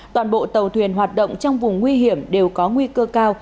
toàn bộ tàu thuyền hoạt động trong vùng nguy hiểm đều có nguy cơ cao